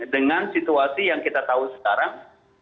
dengan situasi yang kita tahu sekarang